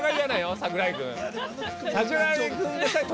櫻井君。